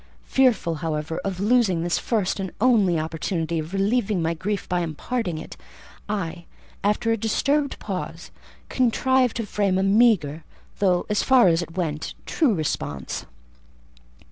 Fearful, however, of losing this first and only opportunity of relieving my grief by imparting it, I, after a disturbed pause, contrived to frame a meagre, though, as far as it went, true response.